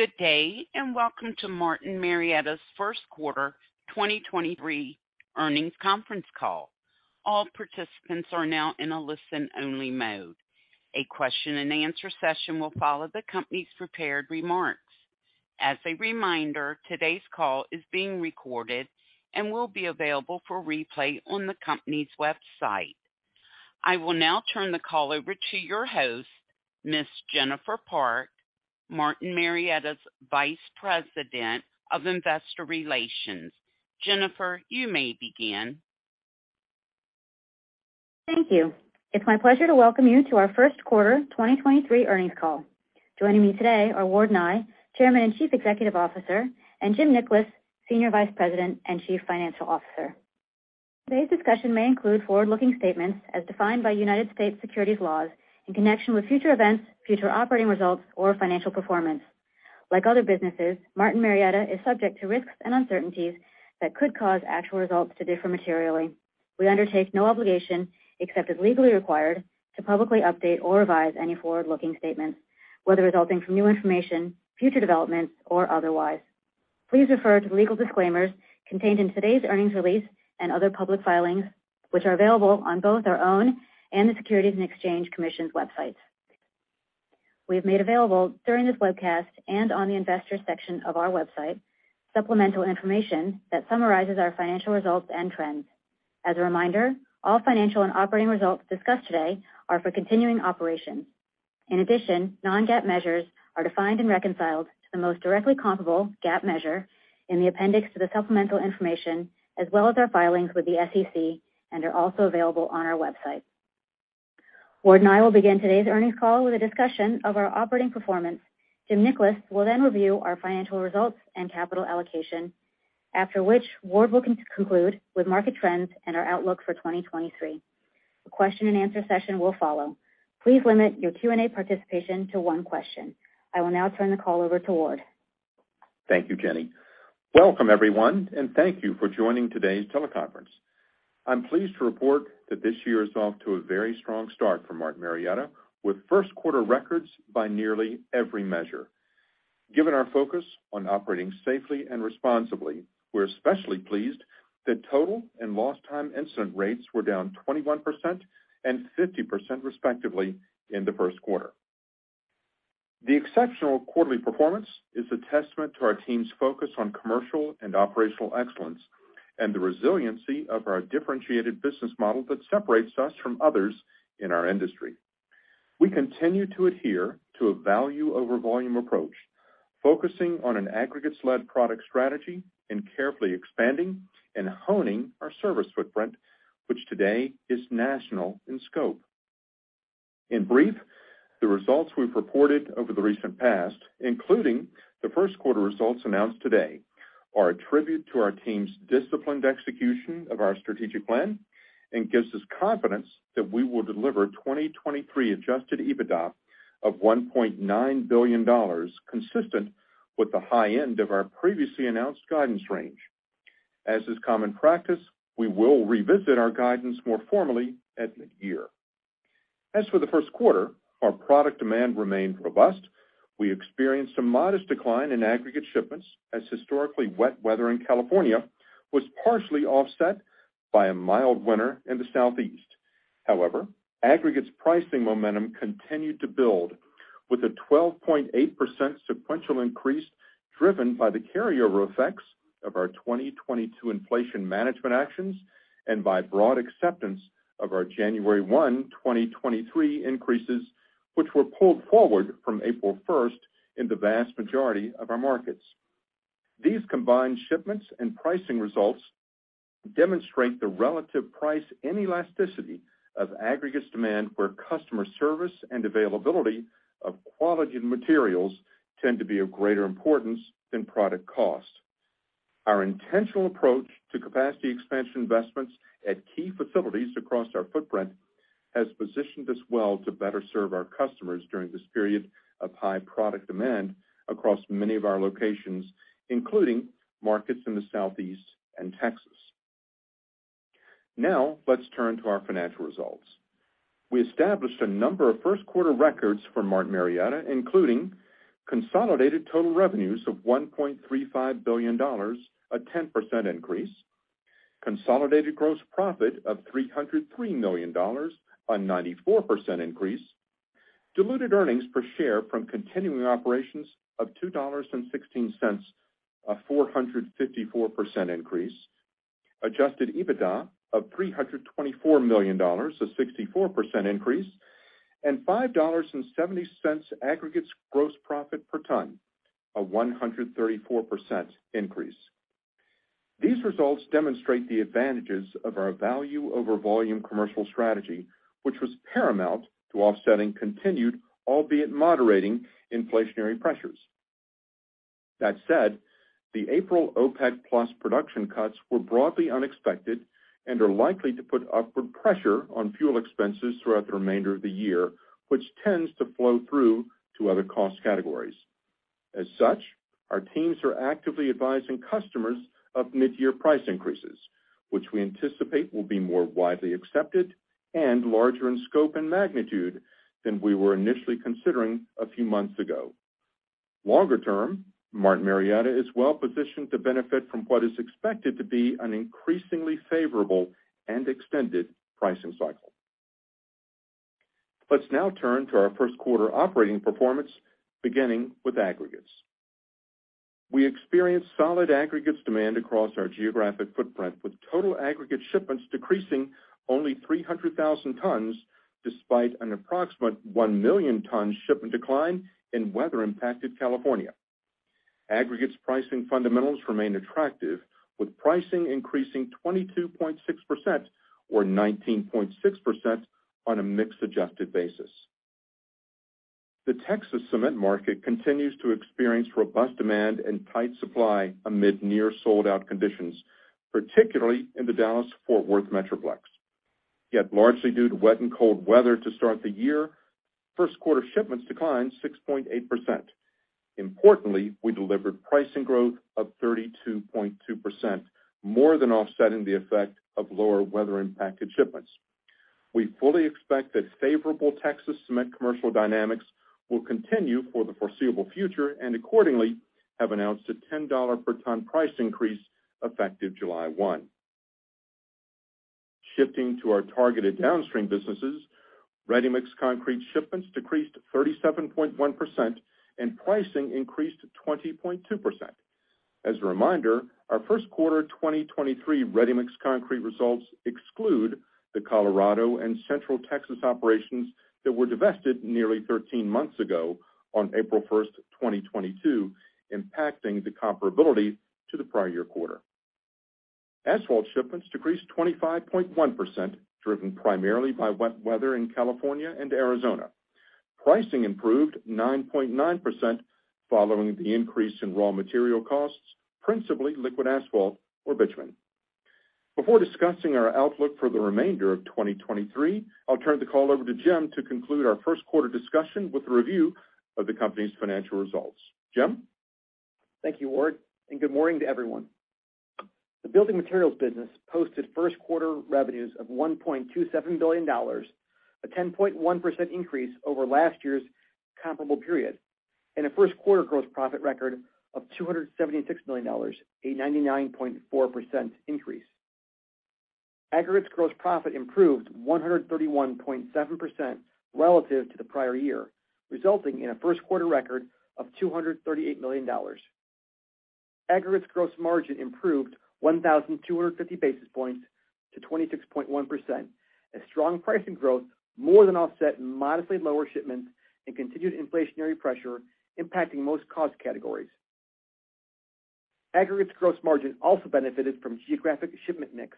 Good day, and welcome to Martin Marietta Materials' first quarter 2023 earnings conference call. All participants are now in a listen-only mode. A question-and-answer session will follow the company's prepared remarks. As a reminder, today's call is being recorded and will be available for replay on the company's website. I will now turn the call over to your host, Jennifer Park, Martin Marietta Materials' Vice President, Investor Relations. Jennifer, you may begin. Thank you. It's my pleasure to welcome you to our first quarter 2023 earnings call. Joining me today are Ward Nye, Chairman and Chief Executive Officer, and Jim Nickolas, Senior Vice President and Chief Financial Officer. Today's discussion may include forward-looking statements as defined by U.S. securities laws in connection with future events, future operating results or financial performance. Like other businesses, Martin Marietta is subject to risks and uncertainties that could cause actual results to differ materially. We undertake no obligation, except as legally required, to publicly update or revise any forward-looking statements, whether resulting from new information, future developments, or otherwise. Please refer to the legal disclaimers contained in today's earnings release and other public filings, which are available on both our own and the Securities and Exchange Commission's websites. We have made available during this webcast and on the investors section of our website supplemental information that summarizes our financial results and trends. As a reminder, all financial and operating results discussed today are for continuing operations. In addition, non-GAAP measures are defined and reconciled to the most directly comparable GAAP measure in the appendix to the supplemental information, as well as our filings with the SEC, and are also available on our website. Ward and I will begin today's earnings call with a discussion of our operating performance. Jim Nickolas will then review our financial results and capital allocation. After which, Ward will conclude with market trends and our outlook for 2023. The question-and-answer session will follow. Please limit your Q&A participation to one question. I will now turn the call over to Ward. Thank you, Jenny. Welcome, everyone, and thank you for joining today's teleconference. I'm pleased to report that this year is off to a very strong start for Martin Marietta, with first quarter records by nearly every measure. Given our focus on operating safely and responsibly, we're especially pleased that total and lost time incident rates were down 21% and 50%, respectively, in the first quarter. The exceptional quarterly performance is a testament to our team's focus on commercial and operational excellence and the resiliency of our differentiated business model that separates us from others in our industry. We continue to adhere to a value over volume approach, focusing on an aggregate-led product strategy and carefully expanding and honing our service footprint, which today is national in scope. In brief, the results we've reported over the recent past, including the first quarter results announced today, are a tribute to our team's disciplined execution of our strategic plan and gives us confidence that we will deliver 2023 adjusted EBITDA of $1.9 billion, consistent with the high end of our previously announced guidance range. As is common practice, we will revisit our guidance more formally at mid-year. As for the first quarter, our product demand remained robust. We experienced a modest decline in aggregate shipments as historically wet weather in California was partially offset by a mild winter in the Southeast. Aggregates pricing momentum continued to build with a 12.8% sequential increase driven by the carryover effects of our 2022 inflation management actions and by broad acceptance of our January 1, 2023 increases, which were pulled forward from April 1 in the vast majority of our markets. These combined shipments and pricing results demonstrate the relative price and elasticity of aggregates demand, where customer service and availability of quality materials tend to be of greater importance than product cost. Our intentional approach to capacity expansion investments at key facilities across our footprint has positioned us well to better serve our customers during this period of high product demand across many of our locations, including markets in the Southeast and Texas. Now, let's turn to our financial results. We established a number of first quarter records for Martin Marietta, including consolidated total revenues of $1.35 billion, a 10% increase, consolidated gross profit of $303 million, a 94% increase, diluted earnings per share from continuing operations of $2.16, a 454% increase, adjusted EBITDA of $324 million, a 64% increase, and $5.70 aggregates gross profit per ton, a 134% increase. These results demonstrate the advantages of our value over volume commercial strategy, which was paramount to offsetting continued, albeit moderating, inflationary pressures. That said, the April OPEC+ production cuts were broadly unexpected and are likely to put upward pressure on fuel expenses throughout the remainder of the year, which tends to flow through to other cost categories. As such, our teams are actively advising customers of mid-year price increases, which we anticipate will be more widely accepted and larger in scope and magnitude than we were initially considering a few months ago. Longer term, Martin Marietta is well-positioned to benefit from what is expected to be an increasingly favorable and extended pricing cycle. Let's now turn to our first quarter operating performance, beginning with aggregates. We experienced solid aggregates demand across our geographic footprint, with total aggregate shipments decreasing only 300,000 tons despite an approximate 1 million ton shipment decline in weather-impacted California. Aggregates pricing fundamentals remain attractive, with pricing increasing 22.6% or 19.6% on a mix-adjusted basis. The Texas cement market continues to experience robust demand and tight supply amid near sold-out conditions, particularly in the Dallas-Fort Worth Metroplex. Yet largely due to wet and cold weather to start the year, first quarter shipments declined 6.8%. Importantly, we delivered pricing growth of 32.2%, more than offsetting the effect of lower weather-impacted shipments. We fully expect that favorable Texas cement commercial dynamics will continue for the foreseeable future and accordingly have announced a $10 per ton price increase effective July 1. Shifting to our targeted downstream businesses, ready-mix concrete shipments decreased 37.1% and pricing increased to 20.2%. As a reminder, our first quarter 2023 ready-mix concrete results exclude the Colorado and Central Texas operations that were divested nearly 13 months ago on April 1, 2022, impacting the comparability to the prior year quarter. Asphalt shipments decreased 25.1%, driven primarily by wet weather in California and Arizona. Pricing improved 9.9% following the increase in raw material costs, principally liquid asphalt or bitumen. Before discussing our outlook for the remainder of 2023, I'll turn the call over to Jim to conclude our first quarter discussion with a review of the company's financial results. Jim? Thank you, Ward. Good morning to everyone. The building materials business posted first quarter revenues of $1.27 billion, a 10.1% increase over last year's comparable period, and a first quarter gross profit record of $276 million, a 99.4% increase. Aggregates gross profit improved 131.7% relative to the prior year, resulting in a first quarter record of $238 million. Aggregates gross margin improved 1,250 basis points to 26.1% as strong pricing growth more than offset modestly lower shipments and continued inflationary pressure impacting most cost categories. Aggregates gross margin also benefited from geographic shipment mix,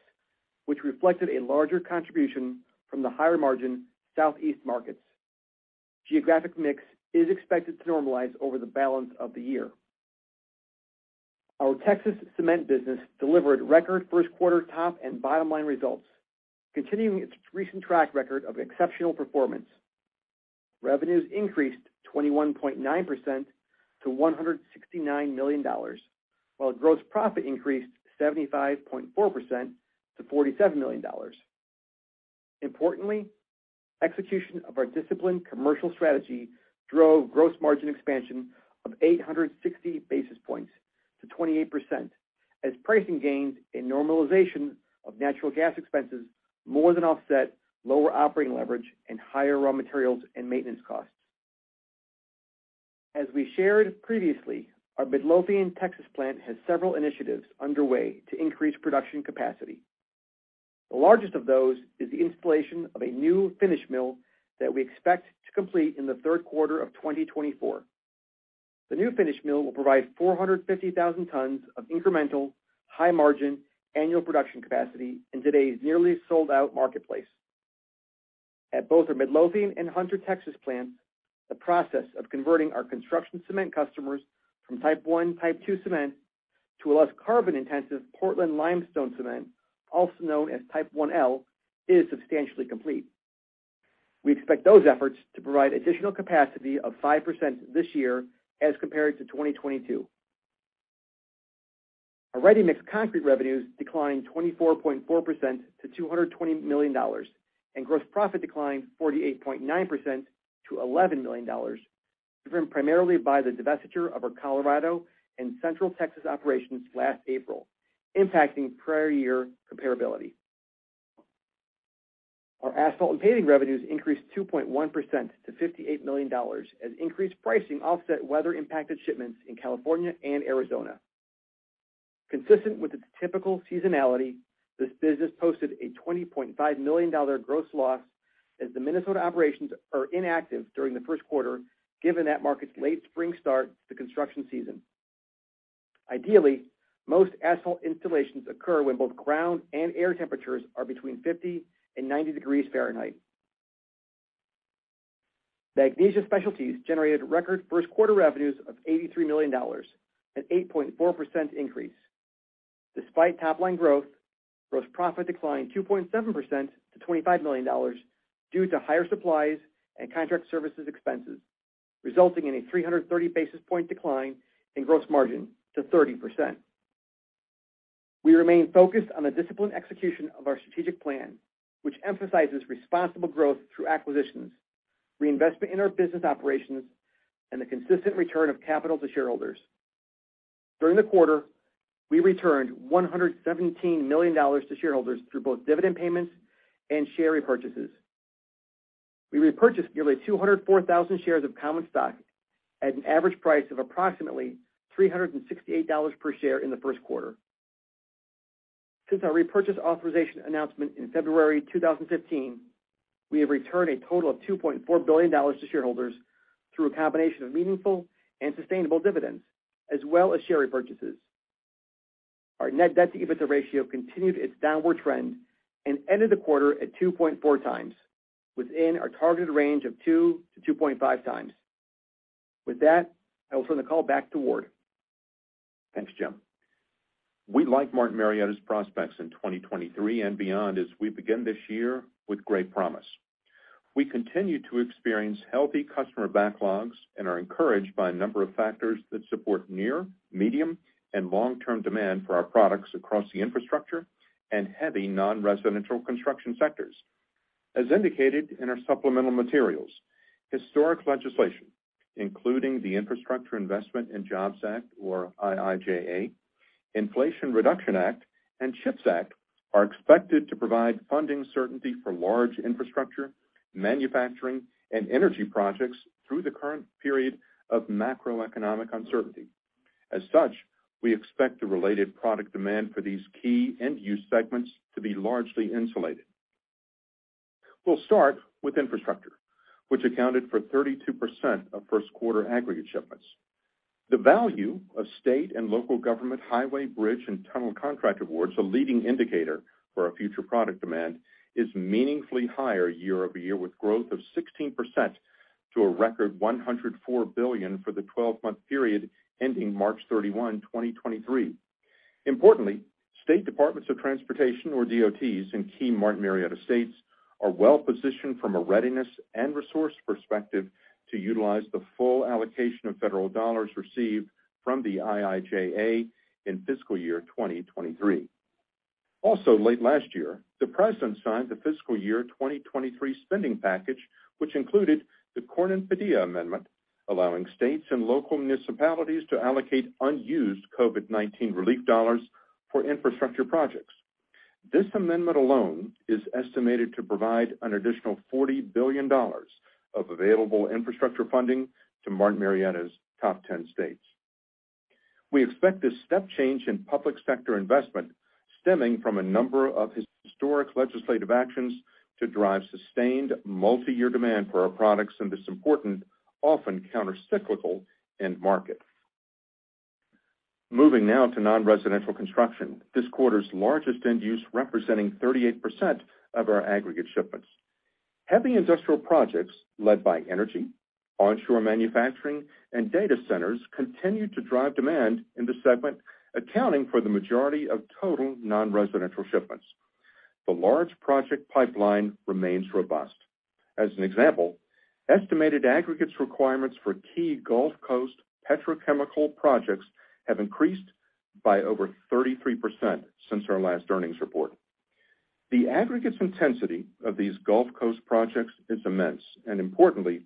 which reflected a larger contribution from the higher margin Southeast markets. Geographic mix is expected to normalize over the balance of the year. Our Texas cement business delivered record first quarter top and bottom line results, continuing its recent track record of exceptional performance. Revenues increased 21.9% to $169 million, while gross profit increased 75.4% to $47 million. Importantly, execution of our disciplined commercial strategy drove gross margin expansion of 860 basis points to 28% as pricing gains in normalization of natural gas expenses more than offset lower operating leverage and higher raw materials and maintenance costs. As we shared previously, our Midlothian, Texas plant has several initiatives underway to increase production capacity. The largest of those is the installation of a new finish mill that we expect to complete in the third quarter of 2024. The new finish mill will provide 450,000 tons of incremental, high margin annual production capacity in today's nearly sold out marketplace. At both our Midlothian and Hunter, Texas plants, the process of converting our construction cement customers from Type I, Type II cement to a less carbon-intensive Portland-limestone cement, also known as Type IL, is substantially complete. We expect those efforts to provide additional capacity of 5% this year as compared to 2022. Our ready-mix concrete revenues declined 24.4% to $220 million, and gross profit declined 48.9% to $11 million, driven primarily by the divestiture of our Colorado and Central Texas operations last April, impacting prior year comparability. Our asphalt and paving revenues increased 2.1% to $58 million as increased pricing offset weather-impacted shipments in California and Arizona. Consistent with its typical seasonality, this business posted a $20.5 million gross loss as the Minnesota operations are inactive during the first quarter, given that market's late spring start to construction season. Ideally, most asphalt installations occur when both ground and air temperatures are between 50 and 90 degrees Fahrenheit. Magnesia Specialties generated record first quarter revenues of $83 million, an 8.4% increase. Despite top line growth, gross profit declined 2.7% to $25 million due to higher supplies and contract services expenses. Resulting in a 330 basis point decline in gross margin to 30%. We remain focused on the disciplined execution of our strategic plan, which emphasizes responsible growth through acquisitions, reinvestment in our business operations, and the consistent return of capital to shareholders. During the quarter, we returned $117 million to shareholders through both dividend payments and share repurchases. We repurchased nearly 204,000 shares of common stock at an average price of approximately $368 per share in the first quarter. Since our repurchase authorization announcement in February 2015, we have returned a total of $2.4 billion to shareholders through a combination of meaningful and sustainable dividends as well as share repurchases. Our net debt-to-EBITDA ratio continued its downward trend and ended the quarter at 2.4x, within our targeted range of 2x-2.5x. With that, I will turn the call back to Ward. Thanks, Jim. We like Martin Marietta's prospects in 2023 and beyond as we begin this year with great promise. We continue to experience healthy customer backlogs and are encouraged by a number of factors that support near, medium, and long-term demand for our products across the infrastructure and heavy non-residential construction sectors. As indicated in our supplemental materials, historic legislation, including the Infrastructure Investment and Jobs Act, or IIJA, Inflation Reduction Act, and CHIPS Act, are expected to provide funding certainty for large infrastructure, manufacturing, and energy projects through the current period of macroeconomic uncertainty. We expect the related product demand for these key end-use segments to be largely insulated. We'll start with infrastructure, which accounted for 32% of first quarter aggregate shipments. The value of state and local government highway, bridge, and tunnel contract awards, a leading indicator for our future product demand, is meaningfully higher year-over-year, with growth of 16% to a record $104 billion for the 12-month period ending March 31, 2023. Importantly, state Departments of Transportation, or DOTs, in key Martin Marietta states are well positioned from a readiness and resource perspective to utilize the full allocation of federal dollars received from the IIJA in fiscal year 2023. Late last year, the President signed the fiscal year 2023 spending package, which included the Cornyn-Padilla amendment, allowing states and local municipalities to allocate unused COVID-19 relief dollars for infrastructure projects. This amendment alone is estimated to provide an additional $40 billion of available infrastructure funding to Martin Marietta's top 10 states. We expect this step change in public sector investment stemming from a number of historic legislative actions to drive sustained multiyear demand for our products in this important, often countercyclical end market. Moving now to non-residential construction, this quarter's largest end use representing 38% of our aggregate shipments. Heavy industrial projects led by energy, onshore manufacturing, and data centers continued to drive demand in the segment, accounting for the majority of total non-residential shipments. The large project pipeline remains robust. As an example, estimated aggregates requirements for key Gulf Coast petrochemical projects have increased by over 33% since our last earnings report. The aggregates intensity of these Gulf Coast projects is immense, and importantly,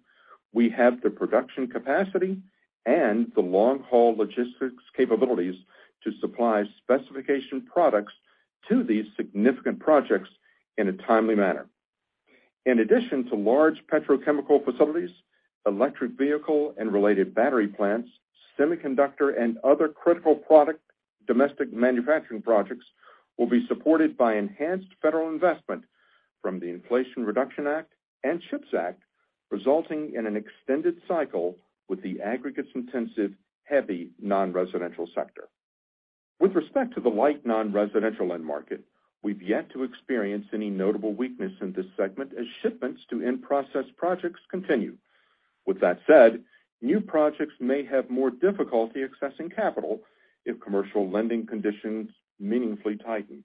we have the production capacity and the long-haul logistics capabilities to supply specification products to these significant projects in a timely manner. In addition to large petrochemical facilities, electric vehicle and related battery plants, semiconductor and other critical product domestic manufacturing projects will be supported by enhanced federal investment from the Inflation Reduction Act and CHIPS Act, resulting in an extended cycle with the aggregates-intensive heavy non-residential sector. With respect to the light non-residential end market, we've yet to experience any notable weakness in this segment as shipments to in-process projects continue. With that said, new projects may have more difficulty accessing capital if commercial lending conditions meaningfully tighten.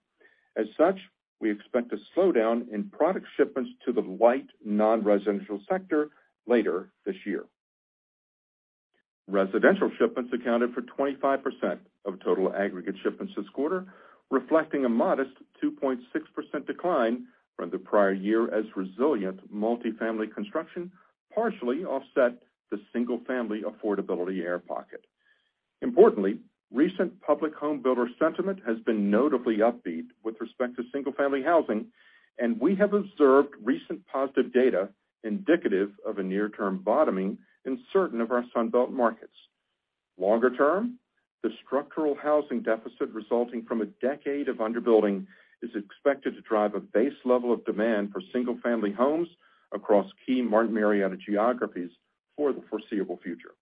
As such, we expect a slowdown in product shipments to the light non-residential sector later this year. Residential shipments accounted for 25% of total aggregate shipments this quarter, reflecting a modest 2.6% decline from the prior year as resilient multifamily construction partially offset the single-family affordability air pocket. Importantly, recent public home builder sentiment has been notably upbeat with respect to single-family housing, and we have observed recent positive data indicative of a near-term bottoming in certain of our Sun Belt markets. Longer term, the structural housing deficit resulting from a decade of under-building is expected to drive a base level of demand for single-family homes across key Martin Marietta geographies for the foreseeable future.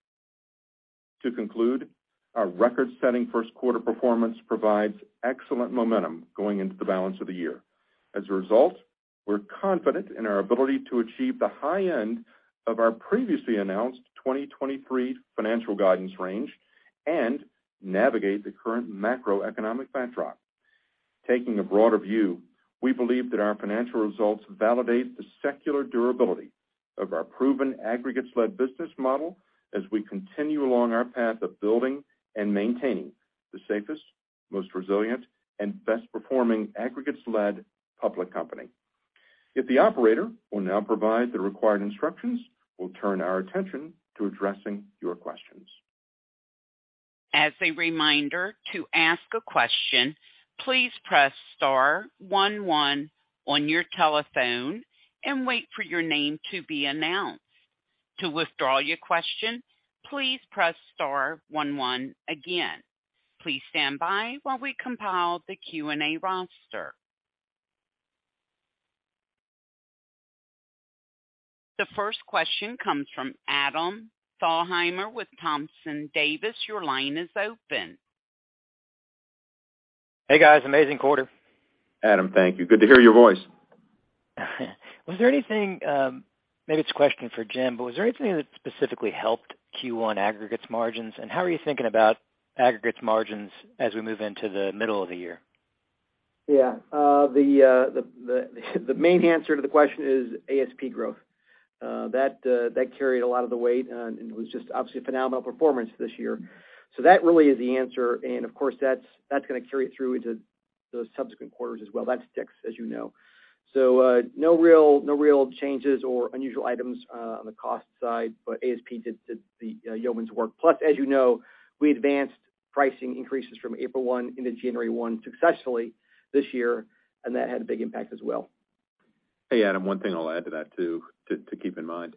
To conclude, our record-setting first quarter performance provides excellent momentum going into the balance of the year. As a result, we're confident in our ability to achieve the high end of our previously announced 2023 financial guidance range and navigate the current macroeconomic backdrop. Taking a broader view, we believe that our financial results validate the secular durability of our proven aggregates-led business model as we continue along our path of building and maintaining the safest, most resilient, and best performing aggregates-led public company. If the operator will now provide the required instructions, we'll turn our attention to addressing your questions. As a reminder, to ask a question, please press star 11 on your telephone and wait for your name to be announced. To withdraw your question, please press star 11 again. Please stand by while we compile the Q&A roster. The first question comes from Adam Thalhimer with Thompson, Davis & Co. Your line is open. Hey, guys. Amazing quarter. Adam, thank you. Good to hear your voice. Was there anything, Maybe it's a question for Jim, but was there anything that specifically helped Q1 aggregates margins? How are you thinking about aggregates margins as we move into the middle of the year? The main answer to the question is ASP growth. That carried a lot of the weight, and it was just obviously a phenomenal performance this year. That really is the answer. Of course, that's gonna carry it through into the subsequent quarters as well. That sticks, as you know. No real changes or unusual items on the cost side, but ASP did the yeoman's work. Plus, as you know, we advanced pricing increases from April 1 into January 1 successfully this year, and that had a big impact as well. Adam, one thing I'll add to that too, keep in mind.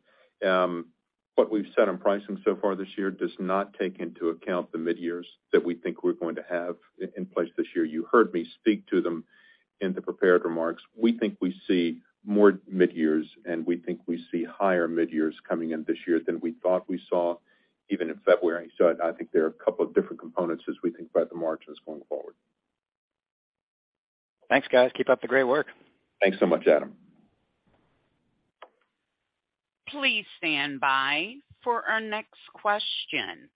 What we've said on pricing so far this year does not take into account the mid-years that we think we're going to have in place this year. You heard me speak to them in the prepared remarks. We think we see more mid-years, and we think we see higher mid-years coming in this year than we thought we saw even in February. I think there are a couple of different components as we think about the margins going forward. Thanks, guys. Keep up the great work. Thanks so much, Adam. Please stand by for our next question.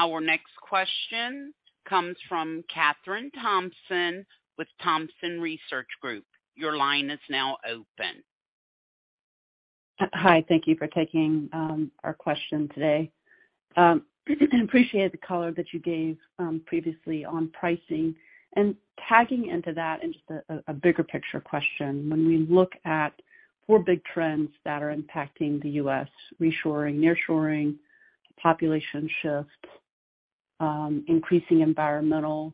Our next question comes from Kathryn Thompson with Thompson Research Group. Your line is now open. Hi. Thank you for taking our question today. Appreciate the color that you gave previously on pricing. Tagging into that and just a bigger picture question. When we look at four big trends that are impacting the U.S., reshoring, nearshoring, population shift, increasing environmental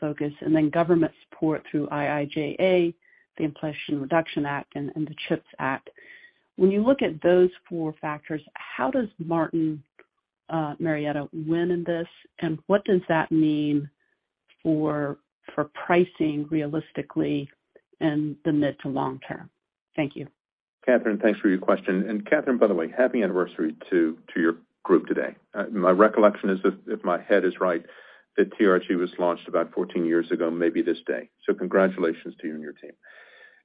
focus, and then government support through IIJA, the Inflation Reduction Act and the CHIPS Act. When you look at those four factors, how does Martin Marietta win in this, and what does that mean for pricing realistically in the mid to long term? Thank you. Kathryn, thanks for your question. Kathryn, by the way, happy anniversary to your group today. My recollection is, if my head is right, that TRG was launched about 14 years ago, maybe this day. Congratulations to you and your team.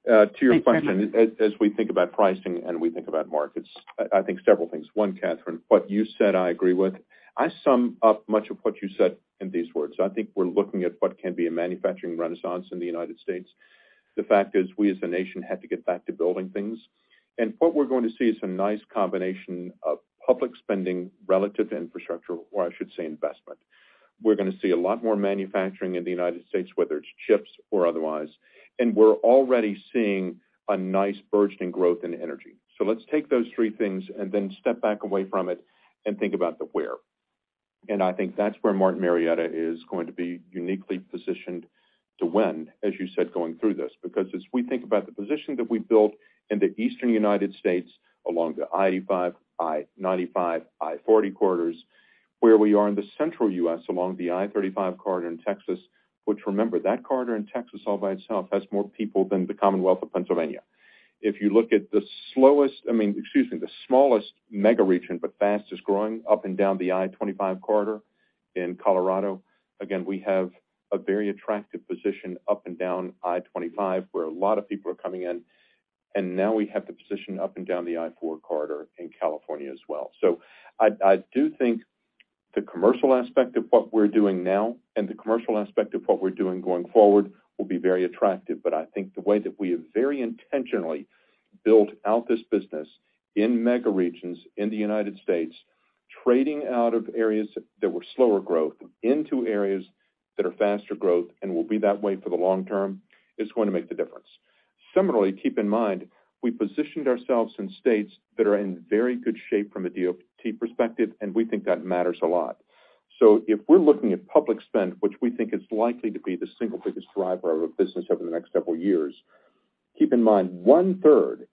To your question, as we think about pricing and we think about markets, I think several things. One, Kathryn, what you said, I agree with. I sum up much of what you said in these words. I think we're looking at what can be a manufacturing renaissance in the United States. The fact is we as a nation had to get back to building things. What we're going to see is a nice combination of public spending relative to infrastructure, or I should say investment. We're gonna see a lot more manufacturing in the United States, whether it's chips or otherwise. We're already seeing a nice bursting growth in energy. Let's take those three things and then step back away from it and think about the where. I think that's where Martin Marietta is going to be uniquely positioned to win, as you said, going through this. As we think about the position that we built in the eastern United States along the I-85, I-95, I-40 corridors, where we are in the central U.S. along the I-35 corridor in Texas, which remember, that corridor in Texas all by itself has more people than the Commonwealth of Pennsylvania. If you look at the slowest, I mean, excuse me, the smallest mega region but fastest-growing up and down the I-25 corridor in Colorado, again, we have a very attractive position up and down I-25, where a lot of people are coming in, and now we have the position up and down the I-5 corridor in California as well. I do think the commercial aspect of what we're doing now and the commercial aspect of what we're doing going forward will be very attractive. I think the way that we have very intentionally built out this business in mega regions in the United States, trading out of areas that were slower growth into areas that are faster growth and will be that way for the long term, is going to make the difference. Keep in mind, we positioned ourselves in states that are in very good shape from a DOT perspective, and we think that matters a lot. If we're looking at public spend, which we think is likely to be the single biggest driver of our business over the next several years, keep in mind, one-third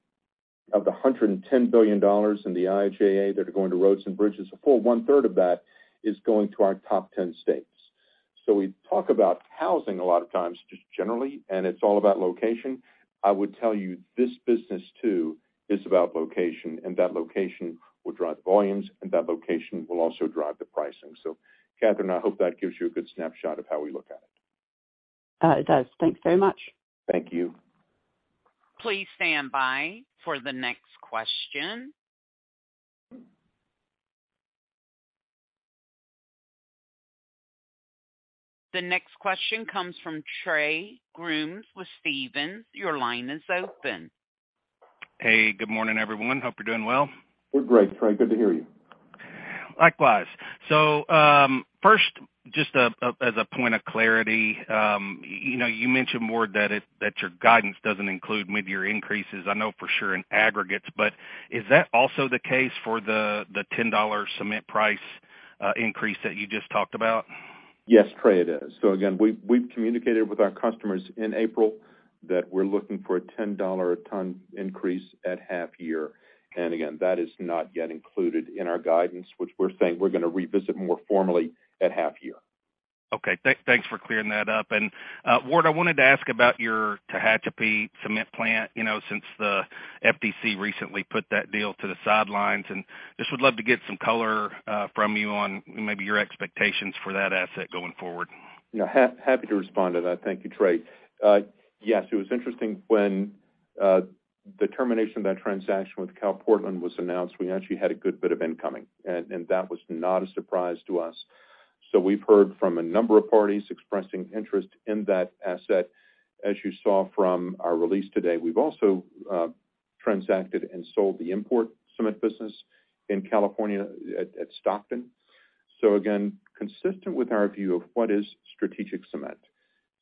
of the $110 billion in the IIJA that are going to roads and bridges, a full one-third of that is going to our top 10 states. We talk about housing a lot of times, just generally, and it's all about location. I would tell you this business too is about location, and that location will drive volumes, and that location will also drive the pricing. Kathryn, I hope that gives you a good snapshot of how we look at it. it does. Thanks very much. Thank you. Please stand by for the next question. The next question comes from Trey Grooms with Stephens. Your line is open. Hey, good morning, everyone. Hope you're doing well. We're great, Trey. Good to hear you. Likewise. First, just, as a point of clarity, you know, you mentioned more that your guidance doesn't include maybe your increases, I know for sure in aggregates, but is that also the case for the $10 cement price, increase that you just talked about? Yes, Trey, it is. Again, we've communicated with our customers in April that we're looking for a $10 a ton increase at half year. Again, that is not yet included in our guidance, which we're saying we're gonna revisit more formally at half year. Okay. Thanks for clearing that up. Ward, I wanted to ask about your Tehachapi cement plant, you know, since the FTC recently put that deal to the sidelines, just would love to get some color from you on maybe your expectations for that asset going forward. Yeah, happy to respond to that. Thank you, Trey. Yes, it was interesting when the termination of that transaction with CalPortland was announced. We actually had a good bit of incoming, and that was not a surprise to us. We've heard from a number of parties expressing interest in that asset. As you saw from our release today, we've also transacted and sold the import cement business in California at Stockton. Again, consistent with our view of what is strategic cement.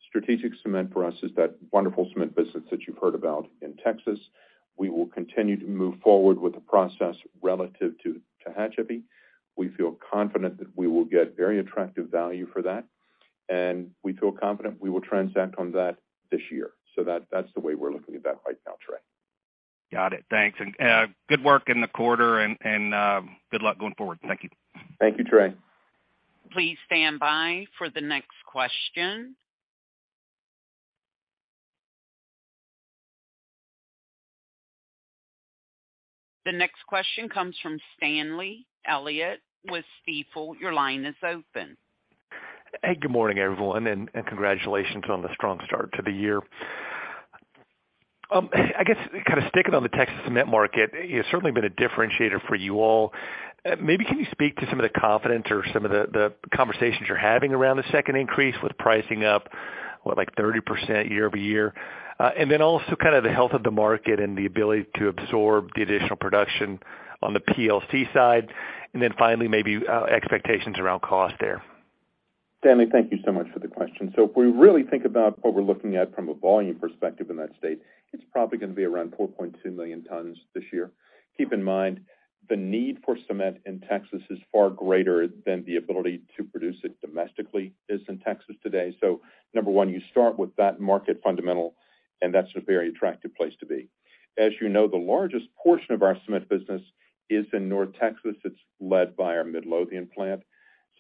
Strategic cement for us is that wonderful cement business that you've heard about in Texas. We will continue to move forward with the process relative to Tehachapi. We feel confident that we will get very attractive value for that, and we feel confident we will transact on that this year. That's the way we're looking at that right now, Trey. Got it. Thanks. Good work in the quarter and, good luck going forward. Thank you. Thank you, Trey. Please stand by for the next question. The next question comes from Stanley Elliott with Stifel. Your line is open. Hey, good morning, everyone, and congratulations on the strong start to the year. I guess, kind of sticking on the Texas cement market, it's certainly been a differentiator for you all. Maybe can you speak to some of the confidence or some of the conversations you're having around the second increase with pricing up, what, like 30% year-over-year? Also kind of the health of the market and the ability to absorb the additional production on the PLC side. Finally, maybe, expectations around cost there. Stanley, thank you so much for the question. If we really think about what we're looking at from a volume perspective in that state, it's probably gonna be around 4.2 million tons this year. Keep in mind, the need for cement in Texas is far greater than the ability to produce it domestically is in Texas today. Number one, you start with that market fundamental, and that's a very attractive place to be. As you know, the largest portion of our cement business is in North Texas. It's led by our Midlothian plant.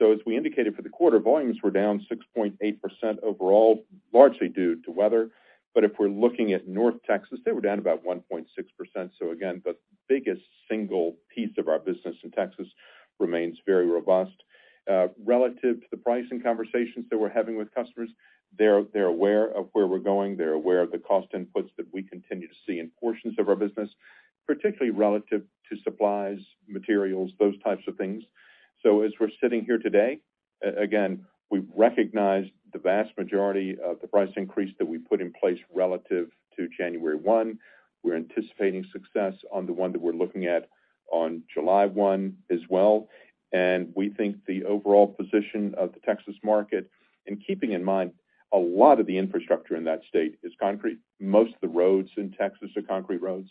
As we indicated for the quarter, volumes were down 6.8% overall, largely due to weather. If we're looking at North Texas, they were down about 1.6%. Again, the biggest single piece of our business in Texas remains very robust. Relative to the pricing conversations that we're having with customers, they're aware of where we're going. They're aware of the cost inputs that we continue to see in portions of our business, particularly relative to supplies, materials, those types of things. As we're sitting here today, again, we've recognized the vast majority of the price increase that we put in place relative to January 1. We're anticipating success on the one that we're looking at on July 1 as well. We think the overall position of the Texas market, and keeping in mind a lot of the infrastructure in that state is concrete. Most of the roads in Texas are concrete roads,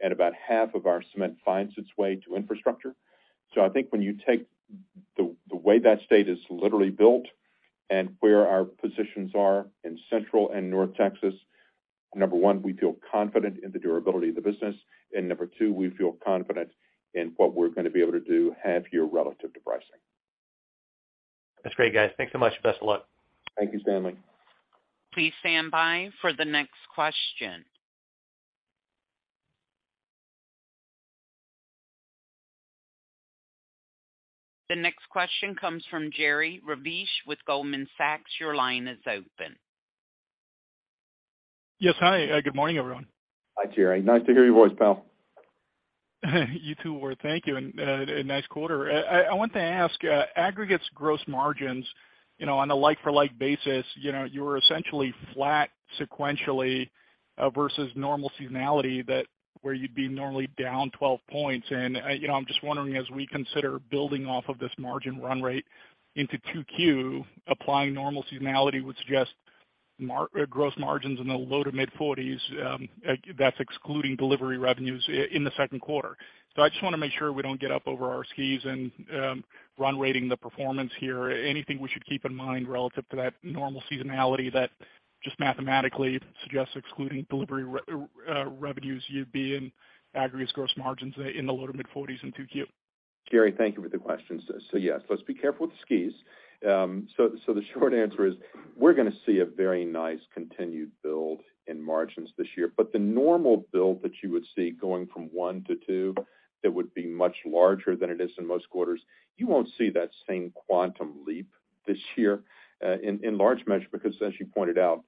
and about half of our cement finds its way to infrastructure. I think when you take the way that state is literally built and where our positions are in Central and North Texas, number 1, we feel confident in the durability of the business, and number 2, we feel confident in what we're gonna be able to do half year relative to pricing. That's great, guys. Thanks so much. Best of luck. Thank you, Stanley. Please stand by for the next question. The next question comes from Jerry Revich with Goldman Sachs. Your line is open. Yes. Hi. Good morning, everyone. Hi, Jerry. Nice to hear your voice, pal. You too, Ward. Thank you, and nice quarter. I want to ask, aggregates gross margins, you know, on a like-for-like basis, you know, you were essentially flat sequentially versus normal seasonality that where you'd be normally down 12 points. I'm just wondering, as we consider building off of this margin run rate into two Q, applying normal seasonality would suggest gross margins in the low to mid-40s, that's excluding delivery revenues in the second quarter. I just wanna make sure we don't get up over our skis and run rating the performance here. Anything we should keep in mind relative to that normal seasonality that just mathematically suggests excluding delivery revenues you'd be in aggregates gross margins in the low to mid-40s in two Q? Jerry, thank you for the question. Yes, let's be careful with the skis. The short answer is we're gonna see a very nice continued build in margins this year. The normal build that you would see going from one to two, that would be much larger than it is in most quarters. You won't see that same quantum leap this year, in large measure, because as you pointed out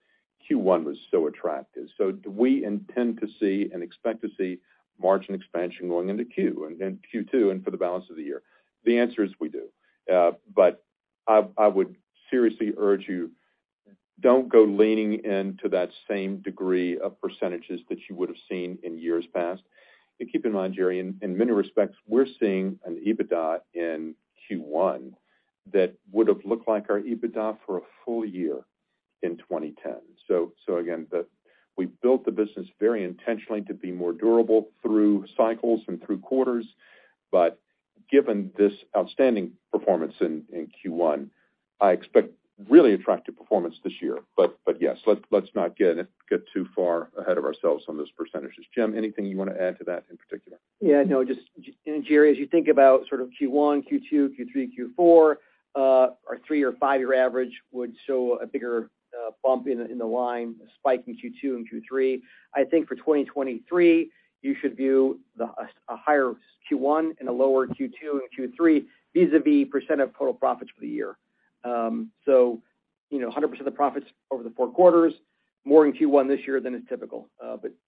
Q1 was so attractive. Do we intend to see and expect to see margin expansion going into Q2 and for the balance of the year? The answer is we do. I would seriously urge you, don't go leaning into that same degree of percentages that you would have seen in years past. Keep in mind, Jerry, in many respects, we're seeing an EBITDA in Q1 that would have looked like our EBITDA for a full year in 2010. Again, we built the business very intentionally to be more durable through cycles and through quarters. Given this outstanding performance in Q1, I expect really attractive performance this year. Yes, let's not get too far ahead of ourselves on those percentages. Jim, anything you wanna add to that in particular? No, just, Jerry, as you think about sort of Q1, Q2, Q3, Q4, our 3 or 5 year average would show a bigger bump in the line, a spike in Q2 and Q3. I think for 2023, you should view a higher Q1 and a lower Q2 and Q3, vis-a-vis % of total profits for the year. you know, 100% of the profits over the 4 quarters, more in Q1 this year than is typical.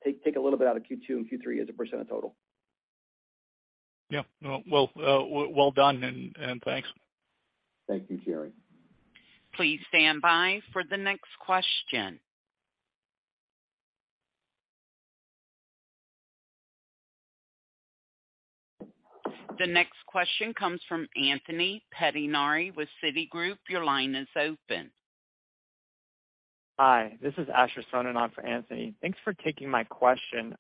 take a little bit out of Q2 and Q3 as a % of total. Yeah. No. Well, well done, and thanks. Thank you, Jerry. Please stand by for the next question. The next question comes from Anthony Pettinari with Citigroup. Your line is open. Hi, this is Asher Sohnen-Thieme for Anthony. Thanks for taking my question.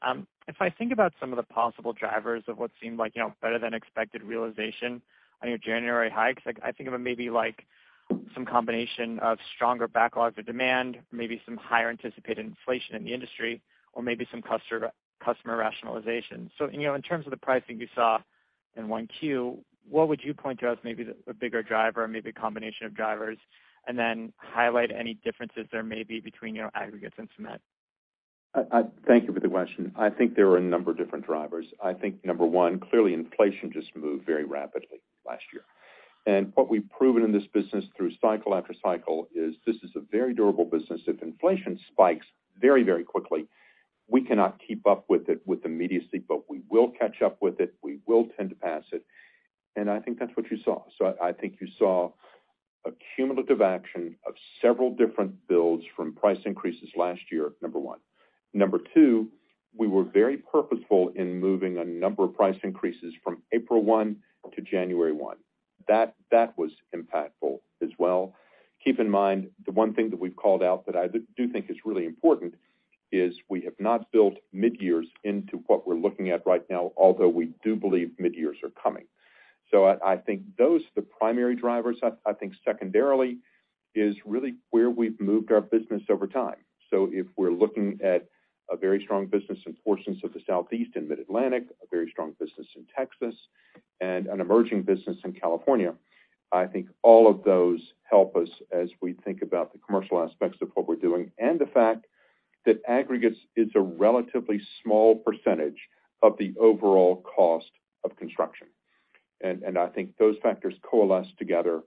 If I think about some of the possible drivers of what seemed like, you know, better than expected realization on your January hikes, like I think of it maybe like some combination of stronger backlog for demand, maybe some higher anticipated inflation in the industry, or maybe some customer rationalization. You know, in terms of the pricing you saw in 1Q, what would you point to as maybe the, a bigger driver, maybe a combination of drivers, and then highlight any differences there may be between your aggregates and cement? Thank you for the question. I think there are a number of different drivers. I think, number one, clearly inflation just moved very rapidly last year. What we've proven in this business through cycle after cycle is this is a very durable business. If inflation spikes very, very quickly, we cannot keep up with it with immediacy, but we will catch up with it. We will tend to pass it. I think that's what you saw. I think you saw a cumulative action of several different builds from price increases last year, number one. Number two, we were very purposeful in moving a number of price increases from April 1 to January 1. That was impactful as well. Keep in mind, the one thing that we've called out that I do think is really important is we have not built mid-years into what we're looking at right now, although we do believe mid-years are coming. I think those are the primary drivers. I think secondarily is really where we've moved our business over time. If we're looking at a very strong business in portions of the Southeast and Mid-Atlantic, a very strong business in Texas, and an emerging business in California, I think all of those help us as we think about the commercial aspects of what we're doing, and the fact that aggregates is a relatively small percentage of the overall cost of construction. I think those factors coalesce together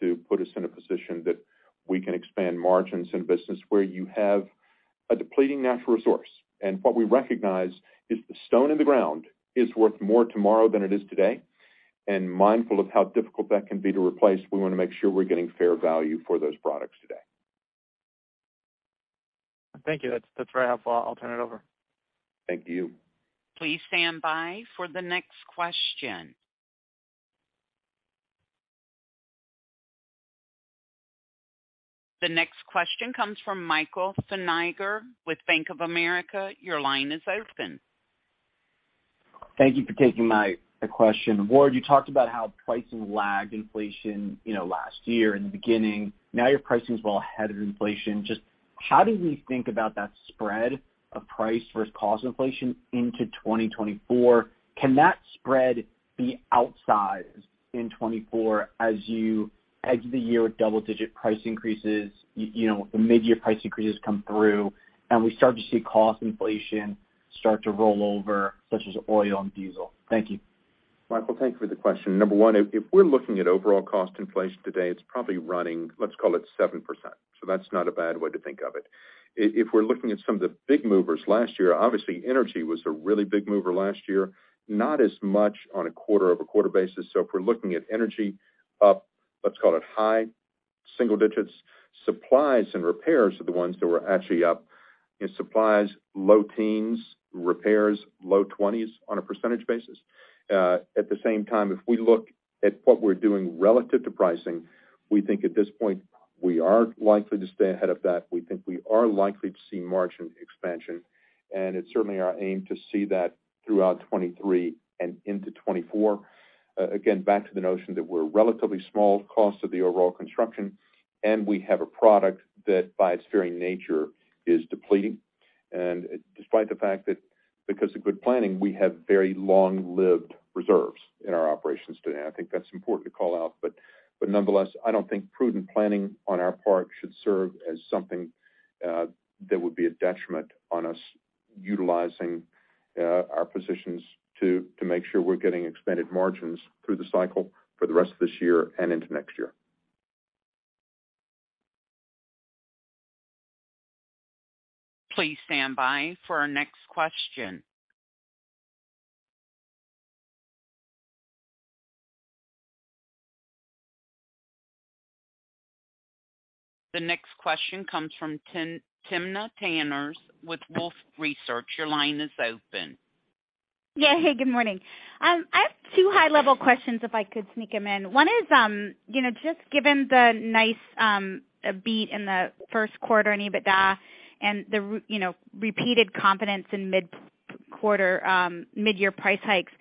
to put us in a position that we can expand margins in a business where you have a depleting natural resource. What we recognize is the stone in the ground is worth more tomorrow than it is today. Mindful of how difficult that can be to replace, we wanna make sure we're getting fair value for those products today. Thank you. That's very helpful. I'll turn it over. Thank you. Please stand by for the next question. The next question comes from Michael Feniger with Bank of America. Your line is open. Thank you for taking my question. Ward, you talked about how pricing lagged inflation, you know, last year in the beginning. Now your pricing's well ahead of inflation. Just how do we think about that spread of price versus cost inflation into 2024? Can that spread be outsized in 2024 as you edge the year with double digit price increases, you know, the mid-year price increases come through, and we start to see cost inflation start to roll over, such as oil and diesel? Thank you. Michael, thank you for the question. Number one, if we're looking at overall cost inflation today, it's probably running, let's call it 7%. That's not a bad way to think of it. If we're looking at some of the big movers last year, obviously energy was a really big mover last year, not as much on a quarter-over-quarter basis. If we're looking at energy up, let's call it high single digits, supplies and repairs are the ones that were actually up. In supplies, low teens, repairs, low twenties on a percentage basis. At the same time, if we look at what we're doing relative to pricing, we think at this point, we are likely to stay ahead of that. We think we are likely to see margin expansion, and it's certainly our aim to see that throughout 2023 and into 2024. Again, back to the notion that we're a relatively small cost of the overall construction, and we have a product that by its very nature is depleting. Despite the fact that because of good planning, we have very long-lived reserves in our operations today, and I think that's important to call out. Nonetheless, I don't think prudent planning on our part should serve as something that would be a detriment on us utilizing our positions to make sure we're getting expanded margins through the cycle for the rest of this year and into next year. Please stand by for our next question. The next question comes from Timna Tanners with Wolfe Research. Your line is open. Yeah. Hey, good morning. I have 2 high-level questions, if I could sneak them in. One is, you know, just given the nice beat in the first quarter in EBITDA and the you know, repeated confidence in mid-quarter, mid-year price hikes,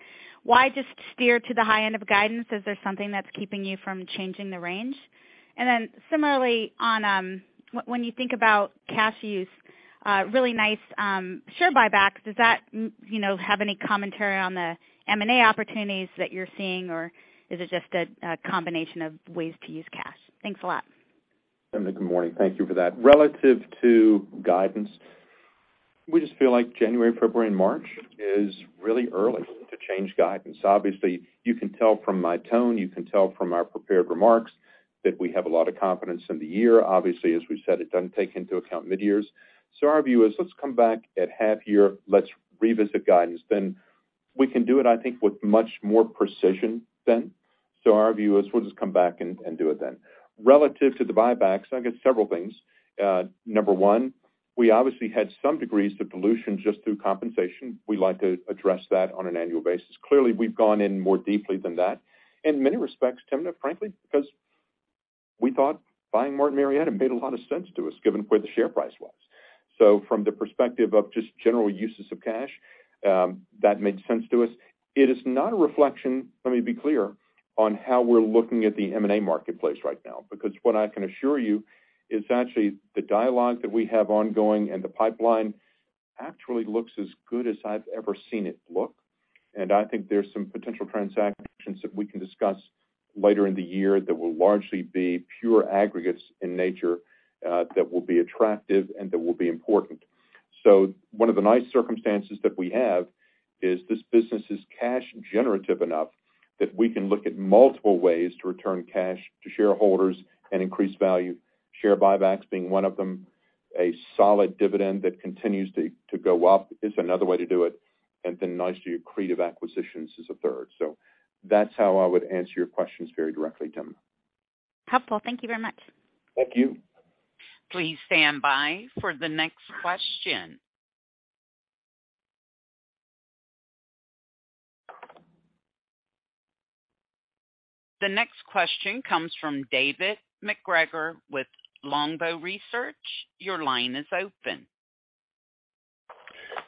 why just steer to the high end of guidance? Is there something that's keeping you from changing the range? Similarly on, when you think about cash use, really nice share buybacks, does that, you know, have any commentary on the M&A opportunities that you're seeing, or is it just a combination of ways to use cash? Thanks a lot. Timna, good morning. Thank you for that. Relative to guidance, we just feel like January, February, and March is really early to change guidance. Obviously, you can tell from my tone, you can tell from our prepared remarks that we have a lot of confidence in the year. Obviously, as we've said, it doesn't take into account mid-years. Our view is let's come back at half year, let's revisit guidance. Then we can do it, I think, with much more precision then. Our view is we'll just come back and do it then. Relative to the buybacks, I guess, several things. Number one, we obviously had some degrees of dilution just through compensation. We like to address that on an annual basis. Clearly, we've gone in more deeply than that. In many respects, Timna, frankly, because we thought buying Martin Marietta made a lot of sense to us, given where the share price was. From the perspective of just general uses of cash, that made sense to us. It is not a reflection, let me be clear, on how we're looking at the M&A marketplace right now because what I can assure you is actually the dialogue that we have ongoing and the pipeline actually looks as good as I've ever seen it look. I think there's some potential transactions that we can discuss later in the year that will largely be pure aggregates in nature, that will be attractive and that will be important. One of the nice circumstances that we have is this business is cash generative enough that we can look at multiple ways to return cash to shareholders and increase value, share buybacks being one of them, a solid dividend that continues to go up is another way to do it, and then nice accretive acquisitions is a third. That's how I would answer your questions very directly, Timna. Helpful. Thank you very much. Thank you. Please stand by for the next question. The next question comes from David MacGregor with Longbow Research. Your line is open.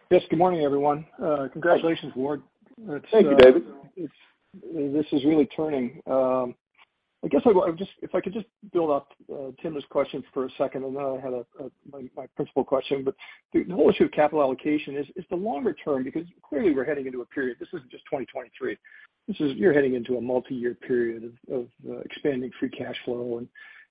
Yes, good morning, everyone. Congratulations, Ward. Thank you, David. It's, this is really turning. I guess I would just if I could just build off Timna's questions for a second, then I had a my principal question. The whole issue of capital allocation is the longer term, because clearly we're heading into a period. This isn't just 2023. This is you're heading into a multiyear period of expanding free cash flow.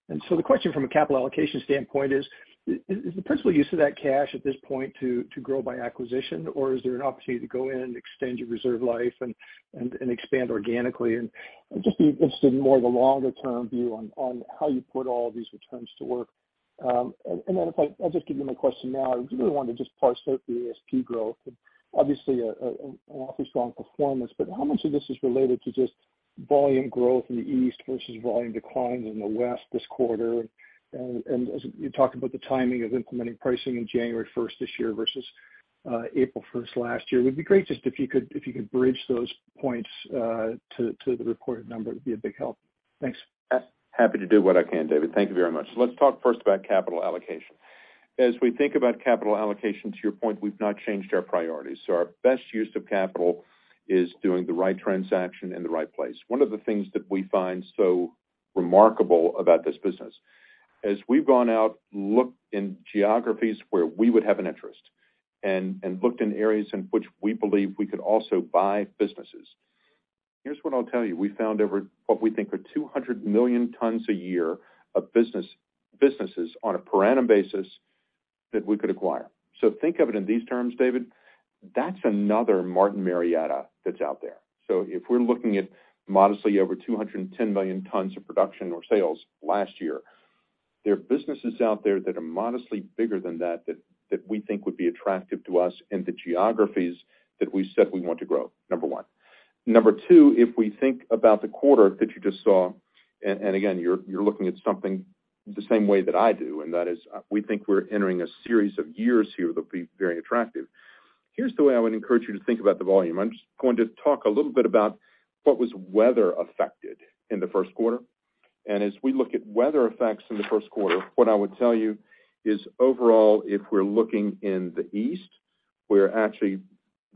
The question from a capital allocation standpoint is the principal use of that cash at this point to grow by acquisition, or is there an opportunity to go in and extend your reserve life and expand organically? I'd just be interested in more of a longer-term view on how you put all these returns to work. I'll just give you my question now. I really wanted to just parse out the ASP growth. Obviously an awfully strong performance, but how much of this is related to just volume growth in the East versus volume declines in the West this quarter? As you talked about the timing of implementing pricing in January first this year versus April first last year, it'd be great just if you could bridge those points to the reported number, it'd be a big help. Thanks. Happy to do what I can, David. Thank you very much. Let's talk first about capital allocation. We think about capital allocation, to your point, we've not changed our priorities. Our best use of capital is doing the right transaction in the right place. One of the things that we find so remarkable about this business, as we've gone out, looked in geographies where we would have an interest and looked in areas in which we believe we could also buy businesses. Here's what I'll tell you. We found over what we think are 200 million tons a year of businesses on a per annum basis that we could acquire. Think of it in these terms, David. That's another Martin Marietta that's out there. If we're looking at modestly over 210 million tons of production or sales last year, there are businesses out there that are modestly bigger than that we think would be attractive to us in the geographies that we said we want to grow, number one. Number two, if we think about the quarter that you just saw, again, you're looking at something the same way that I do, and that is we think we're entering a series of years here that'll be very attractive. Here's the way I would encourage you to think about the volume. I'm just going to talk a little bit about what was weather affected in the first quarter. As we look at weather effects in the first quarter, what I would tell you is overall, if we're looking in the East, where actually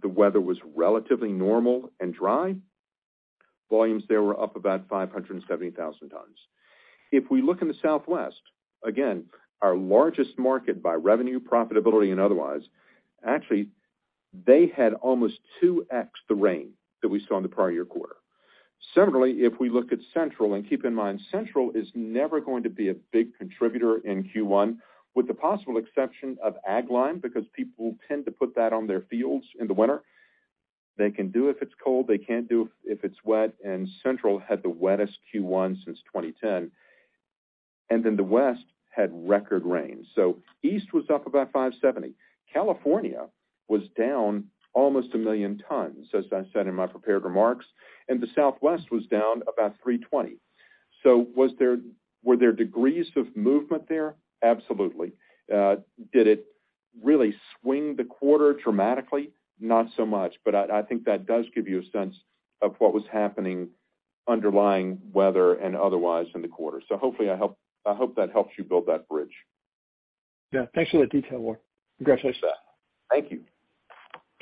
the weather was relatively normal and dry, volumes there were up about East was up about 570,000 tons. If we look in the Southwest, again, our largest market by revenue, profitability, and otherwise, actually they had almost 2x the rain that we saw in the prior year quarter. Similarly, if we look at Central, and keep in mind, Central is never going to be a big contributor in Q1, with the possible exception of Aglime, because people tend to put that on their fields in the winter. They can do if it's cold, they can't do if it's wet, and Central had the wettest Q1 since 2010. Then the West had record rain. East was up about 570. California was down almost 1 million tons, as I said in my prepared remarks, and the Southwest was down about 320,000 tons. Were there degrees of movement there? Absolutely. Did it really swing the quarter dramatically? Not so much, but I think that does give you a sense of what was happening underlying weather and otherwise in the quarter. Hopefully I hope that helps you build that bridge. Yeah. Thanks for the detail, Ward Nye. Congratulations. Thank you.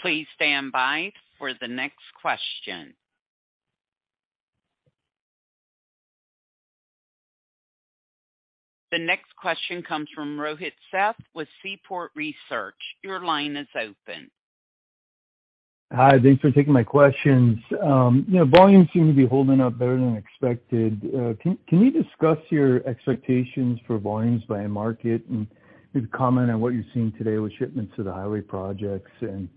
Please stand by for the next question. The next question comes from Rohit Seth with Seaport Research. Your line is open. Hi. Thanks for taking my questions. You know, volume seem to be holding up better than expected. Can you discuss your expectations for volumes by market and maybe comment on what you're seeing today with shipments to the highway projects and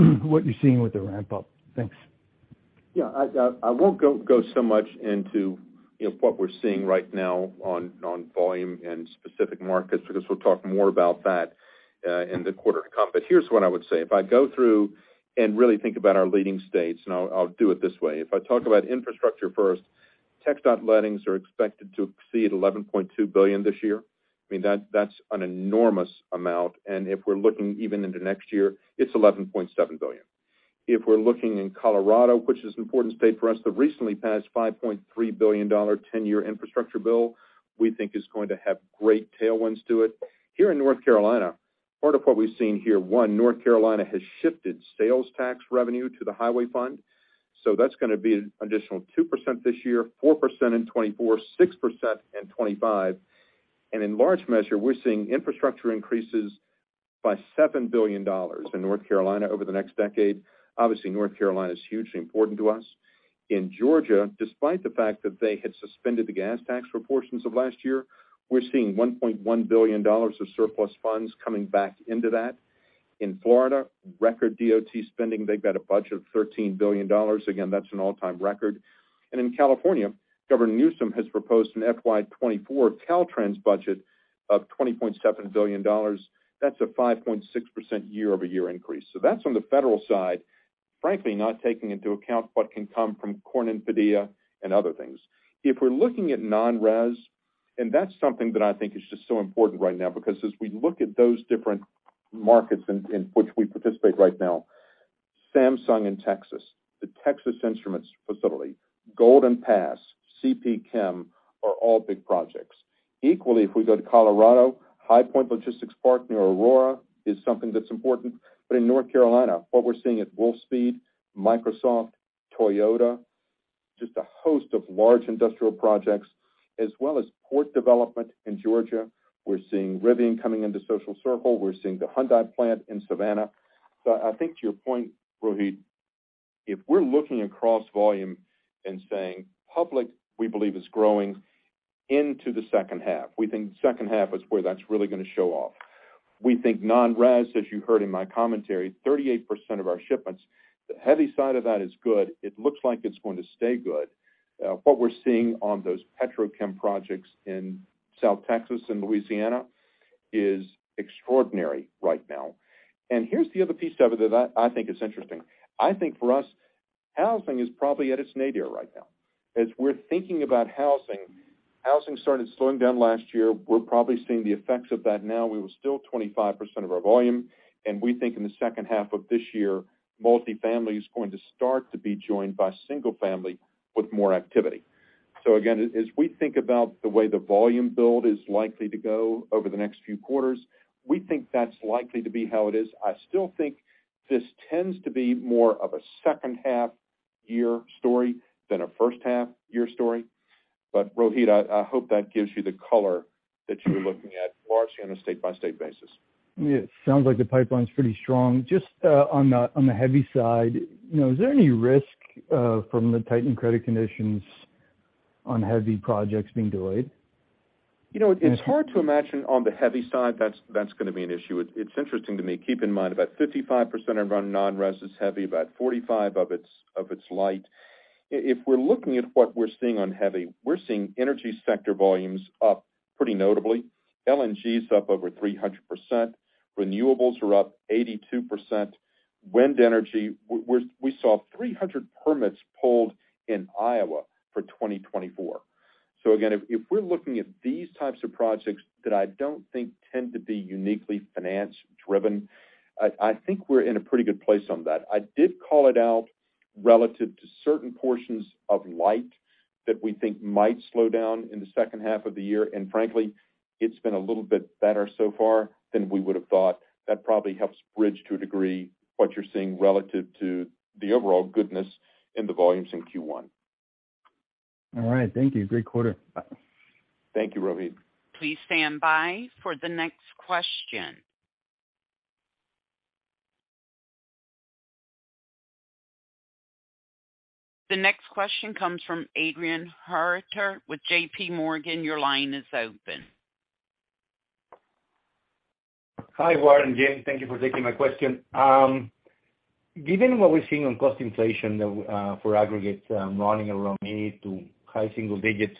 what you're seeing with the ramp up? Thanks. Yeah. I won't go so much into, you know, what we're seeing right now on volume and specific markets because we'll talk more about that in the quarter to come. Here's what I would say. If I go through and really think about our leading states, I'll do it this way. If I talk about infrastructure first, TxDOT lettings are expected to exceed $11.2 billion this year. I mean, that's an enormous amount, and if we're looking even into next year, it's $11.7 billion. If we're looking in Colorado, which is an important state for us, the recently passed $5.3 billion 10-year infrastructure bill, we think is going to have great tailwinds to it. Here in North Carolina, part of what we've seen here, one, North Carolina has shifted sales tax revenue to the highway fund, so that's gonna be an additional 2% this year, 4% in 2024, 6% in 2025. In large measure, we're seeing infrastructure increases by $7 billion in North Carolina over the next decade. Obviously, North Carolina is hugely important to us. In Georgia, despite the fact that they had suspended the gas tax for portions of last year, we're seeing $1.1 billion of surplus funds coming back into that. In Florida, record DOT spending. They've got a budget of $13 billion. Again, that's an all-time record. In California, Governor Newsom has proposed an FY 2024 Caltrans budget of $20.7 billion. That's a 5.6% year-over-year increase. That's on the federal side. Frankly, not taking into account what can come fromCornyn, Padilla, and other legislation. If we're looking at non-res, and that's something that I think is just so important right now because as we look at those different markets in which we participate right now, Samsung in Texas, the Texas Instruments facility, Golden Pass, CP Chem are all big projects. Equally, if we go to Colorado, High Point Logistics Park near Aurora is something that's important. In North Carolina, what we're seeing at Wolfspeed, Microsoft, Toyota, just a host of large industrial projects, as well as port development in Georgia. We're seeing Rivian coming into Social Circle. We're seeing the Hyundai plant in Savannah. I think to your point, Rohit, if we're looking across volume and saying public we believe is growing into the second half, we think second half is where that's really gonna show off. We think non-res, as you heard in my commentary, 38% of our shipments, the heavy side of that is good. It looks like it's going to stay good. What we're seeing on those petrochem projects in South Texas and Louisiana is extraordinary right now. Here's the other piece of it that I think is interesting. I think for us, housing is probably at its nadir right now. As we're thinking about housing started slowing down last year. We're probably seeing the effects of that now. We were still 25% of our volume. We think in the second half of this year, multifamily is going to start to be joined by single family with more activity. Again, as we think about the way the volume build is likely to go over the next few quarters, we think that's likely to be how it is. I still think this tends to be more of a second half year story than a first half year story. Rohit, I hope that gives you the color that you're looking at largely on a state-by-state basis. Yeah. Sounds like the pipeline's pretty strong. Just on the heavy side, you know, is there any risk from the tightened credit conditions on heavy projects being delayed? You know, it's hard to imagine on the heavy side that's gonna be an issue. It's interesting to me. Keep in mind, about 55% of our non-res is heavy, about 45% of it's light. If we're looking at what we're seeing on heavy, we're seeing energy sector volumes up pretty notably. LNG is up over 300%. Renewables are up 82%. Wind energy, we saw 300 permits pulled in Iowa for 2024. Again, if we're looking at these types of projects that I don't think tend to be uniquely finance driven, I think we're in a pretty good place on that. I did call it out relative to certain portions of light that we think might slow down in the second half of the year, and frankly, it's been a little bit better so far than we would have thought. That probably helps bridge to a degree what you're seeing relative to the overall goodness in the volumes in Q1. All right. Thank you. Great quarter. Thank you, Rohit. Please stand by for the next question. The next question comes from Adrian Huerta with J.P. Morgan. Your line is open. Hi, Ward and James. Thank you for taking my question. Given what we're seeing on cost inflation that we for aggregate running around mid to high single digits,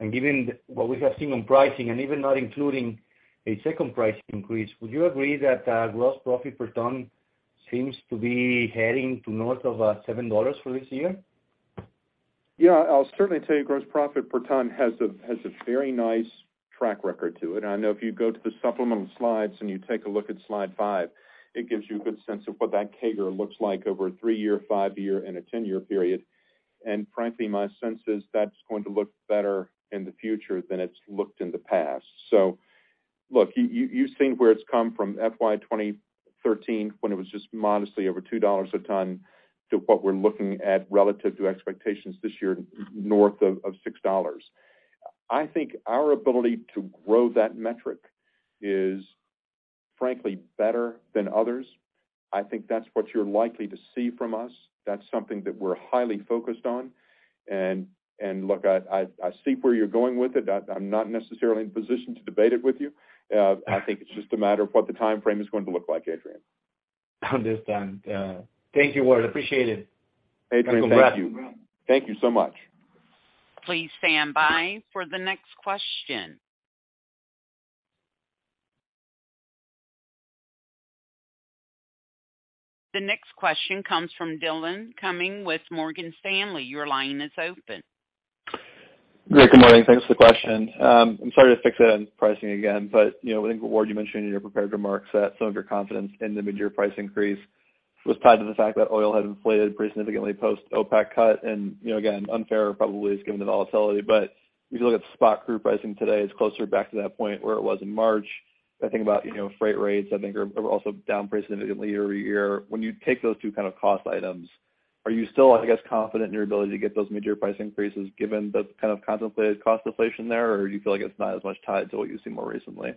and given what we have seen on pricing and even not including a second price increase, would you agree that gross profit per ton seems to be heading to north of $7 for this year? Yeah, I'll certainly tell you gross profit per ton has a very nice track record to it. I know if you go to the supplemental slides and you take a look at slide 5, it gives you a good sense of what that CAGR looks like over a three-year, five-year, and a 10-year period. Frankly, my sense is that's going to look better in the future than it's looked in the past. Look, you've seen where it's come from FY 2013 when it was just modestly over $2 a ton to what we're looking at relative to expectations this year, north of $6. I think our ability to grow that metric is, frankly, better than others. I think that's what you're likely to see from us. That's something that we're highly focused on. Look, I see where you're going with it. I'm not necessarily in a position to debate it with you. I think it's just a matter of what the timeframe is going to look like, Adrian. Understand. Thank you, Ward. Appreciate it. Adrian, thank you. Thank you so much. Please stand by for the next question. The next question comes from Dillon Cumming with Morgan Stanley. Your line is open. Great, good morning. Thanks for the question. I'm sorry to fixate on pricing again, but, you know, I think, Ward, you mentioned in your prepared remarks that some of your confidence in the mid-year price increase was tied to the fact that oil had inflated pretty significantly post OPEC cut. You know, again, unfair probably is given the volatility. If you look at spot crude pricing today, it's closer back to that point where it was in March. I think about, you know, freight rates, I think are also down pretty significantly year-over-year. When you take those 2 kind of cost items, are you still, I guess, confident in your ability to get those mid-year price increases given the kind of contemplated cost deflation there? Or do you feel like it's not as much tied to what you've seen more recently?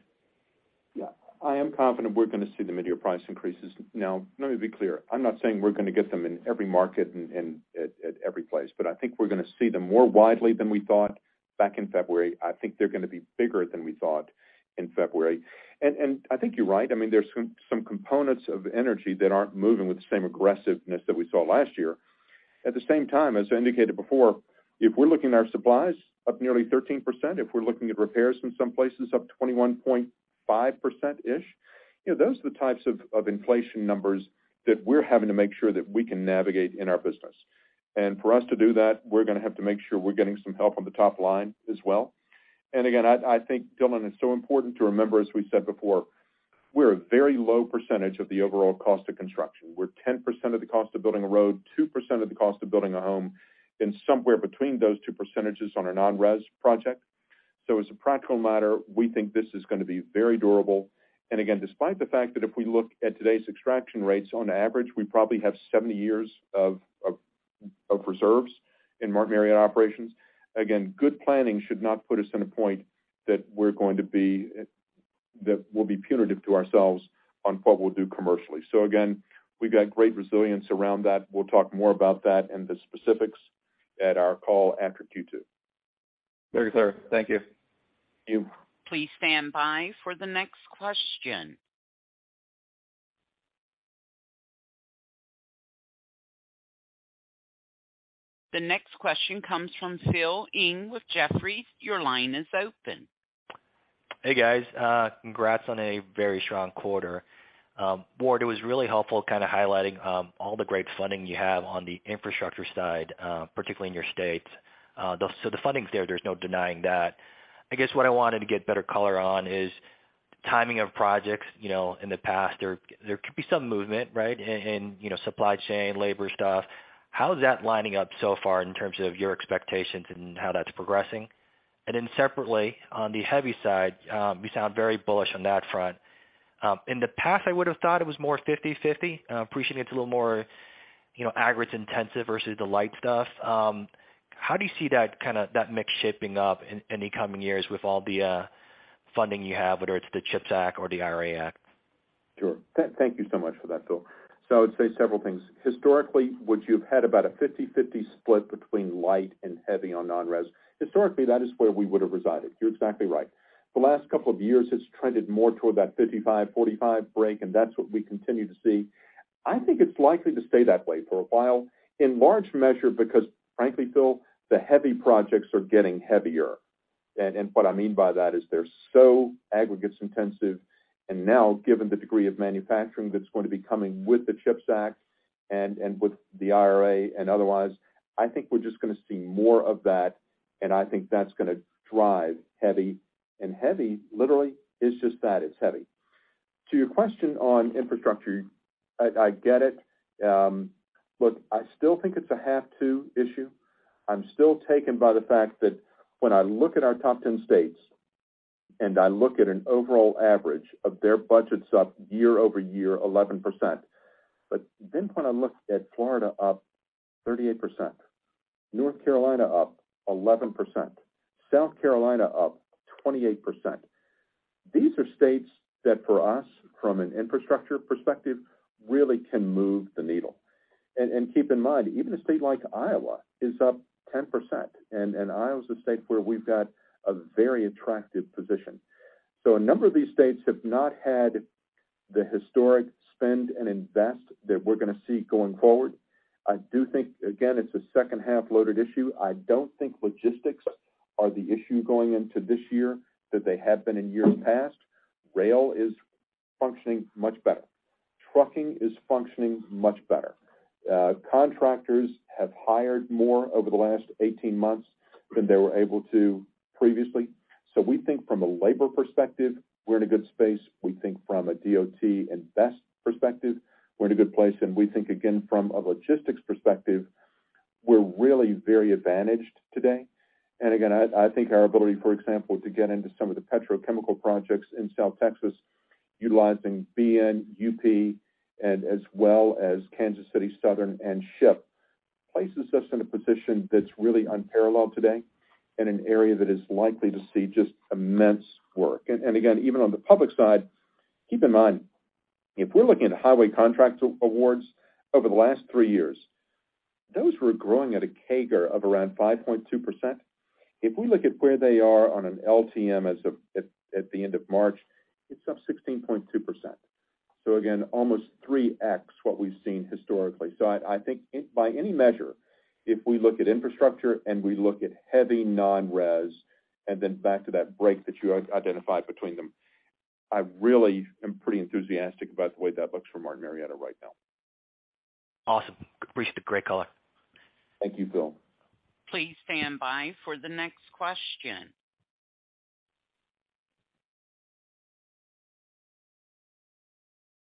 Yeah, I am confident we're gonna see the mid-year price increases. Let me be clear. I'm not saying we're gonna get them in every market and at every place, but I think we're gonna see them more widely than we thought back in February. I think they're gonna be bigger than we thought in February. I think you're right. I mean, there's some components of energy that aren't moving with the same aggressiveness that we saw last year. At the same time, as I indicated before, if we're looking at our supplies up nearly 13%, if we're looking at repairs in some places up 21.5%-ish, you know, those are the types of inflation numbers that we're having to make sure that we can navigate in our business. For us to do that, we're going to have to make sure we're getting some help on the top line as well. Again, I think, Dillon, it's so important to remember, as we said before, we're a very low percentage of the overall cost of construction. We're 10% of the cost of building a road, 2% of the cost of building a home, and somewhere between those two percentages on a non-res project. As a practical matter, we think this is going to be very durable. Again, despite the fact that if we look at today's extraction rates, on average, we probably have 70 years of reserves in Martin Marietta operations. Again, good planning should not put us in a point that we're going to be that we'll be punitive to ourselves on what we'll do commercially. Again, we've got great resilience around that. We'll talk more about that and the specifics at our call after Q2. Very clear. Thank you. Thank you. Please stand by for the next question. The next question comes from Philip Ng with Jefferies. Your line is open. Hey, guys. Congrats on a very strong quarter. Ward, it was really helpful kinda highlighting all the great funding you have on the infrastructure side, particularly in your states. So the funding's there's no denying that. I guess what I wanted to get better color on is timing of projects. You know, in the past there could be some movement, right, in, you know, supply chain, labor stuff. How is that lining up so far in terms of your expectations and how that's progressing? Then separately, on the heavy side, you sound very bullish on that front. In the past, I would have thought it was more 50/50. Appreciating it's a little more, you know, aggregates intensive versus the light stuff. How do you see that mix shaping up in the coming years with all the funding you have, whether it's the CHIPS Act or the IRA Act? Sure. Thank you so much for that, Phil. I would say several things. Historically, would you have had about a 50/50 split between light and heavy on non-res? Historically, that is where we would have resided. You're exactly right. The last couple of years has trended more toward that 55, 45 break, that's what we continue to see. I think it's likely to stay that way for a while, in large measure because frankly, Phil, the heavy projects are getting heavier. What I mean by that is they're so aggregates intensive, now given the degree of manufacturing that's going to be coming with the CHIPS Act, with the IRA and otherwise, I think we're just gonna see more of that, I think that's gonna drive heavy. Heavy literally is just that, it's heavy. To your question on infrastructure, I get it. Look, I still think it's a have-to issue. I'm still taken by the fact that when I look at our top 10 states, and I look at an overall average of their budgets up year-over-year 11%. When I look at Florida up 38%, North Carolina up 11%, South Carolina up 28%. These are states that for us, from an infrastructure perspective, really can move the needle. Keep in mind, even a state like Iowa is up 10%, and Iowa is a state where we've got a very attractive position. A number of these states have not had the historic spend and invest that we're gonna see going forward. I do think, again, it's a second half loaded issue. I don't think logistics are the issue going into this year that they have been in years past. Rail is functioning much better. Trucking is functioning much better. Contractors have hired more over the last 18 months than they were able to previously. We think from a labor perspective, we're in a good space. We think from a DOT invest perspective, we're in a good place. We think, again, from a logistics perspective, we're really very advantaged today. Again, I think our ability, for example, to get into some of the petrochemical projects in South Texas utilizing BNSF and as well as Kansas City Southern and Ship, places us in a position that's really unparalleled today in an area that is likely to see just immense work. Again, even on the public side, keep in mind, if we're looking at highway contract awards over the last three years, those were growing at a CAGR of around 5.2%. If we look at where they are on an LTM as of at the end of March, it's up 16.2%. Again, almost 3x what we've seen historically. I think by any measure, if we look at infrastructure and we look at heavy non-res, and then back to that break that you identified between them, I really am pretty enthusiastic about the way that looks for Martin Marietta right now. Awesome. Appreciate the great color. Thank you, Phil. Please stand by for the next question.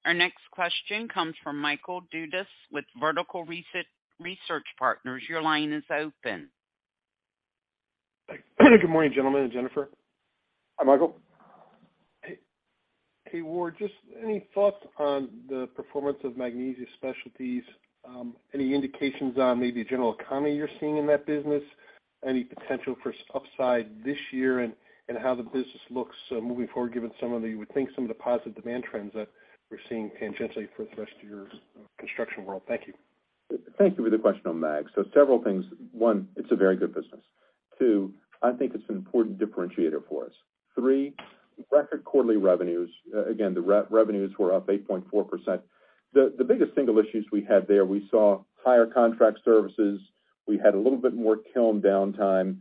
Our next question comes from Michael Dudas with Vertical Research Partners. Your line is open. Good morning, gentlemen and Jennifer. Hi, Michael. Hey. Hey, Ward, just any thoughts on the performance of Magnesia Specialties? Any indications on maybe general economy you're seeing in that business? Any potential for upside this year and how the business looks moving forward, given some of the, we think some of the positive demand trends that we're seeing tangentially for the rest of your construction world. Thank you. Thank you for the question on Magnesia Specialties Several things. One, it's a very good business. Two, I think it's an important differentiator for us. Three, record quarterly revenues. Again, the revenues were up 8.4%. The biggest single issues we had there, we saw higher contract services. We had a little bit more kiln downtime.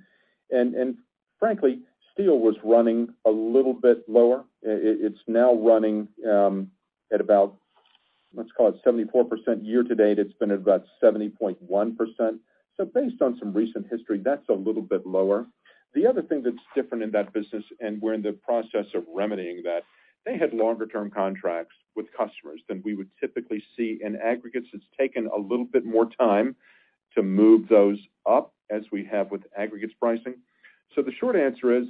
Frankly, steel was running a little bit lower. It's now running at about, let's call it 74% year to date. It's been at about 70.1%. Based on some recent history, that's a little bit lower. The other thing that's different in that business, and we're in the process of remedying that, they had longer term contracts with customers than we would typically see in aggregates. It's taken a little bit more time to move those up as we have with aggregates pricing. The short answer is,